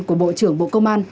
của bộ trưởng bộ công an